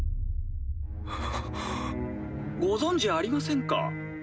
ご存じありませんか？